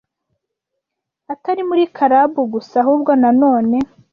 atari muri karabu gusa ahubwo nanone